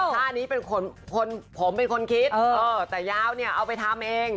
ท่านี้เป็นคนผมเป็นคนคิดแต่ยาวเนี่ยเอาไปทำเอง